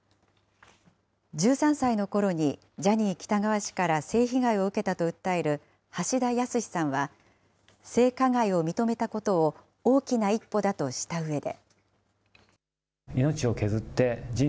１３歳のころにジャニー喜多川氏から性被害を受けたと訴える橋田康さんは、性加害を認めたことを大きな一歩だとしたうえで。